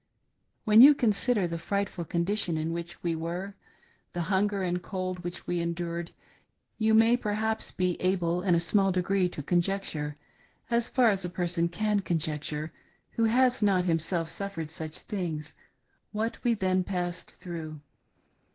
When you consider the frightful condition in which we were, the hunger and cold which we endured, you may perhaps be able in a small degree to conjecture — as far as a person can conjecture who has not himself suffered such things — ^what we then passed through.